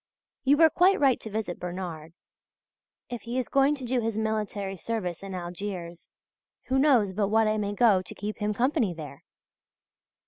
You were quite right to visit Bernard. If he is going to do his military service in Algiers who knows but what I may go to keep him company there.